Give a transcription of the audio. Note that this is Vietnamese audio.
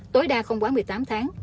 tối đa không quá một mươi tám tháng